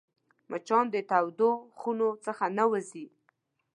مچان د تودو خونو څخه نه وځي